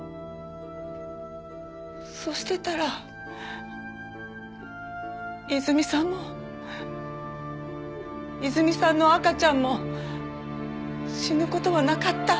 そうしてたらいずみさんもいずみさんの赤ちゃんも死ぬ事はなかった。